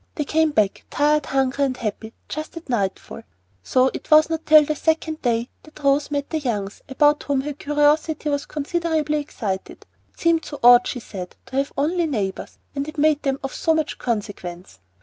They came back, tired, hungry, and happy, just at nightfall; so it was not till the second day that Rose met the Youngs, about whom her curiosity was considerably excited. It seemed so odd, she said, to have "only neighbors," and it made them of so much consequence.